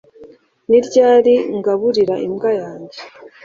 ni ryari ngaburira imbwa yanjye